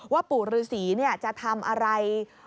ปู่ฤษีจะทำอะไร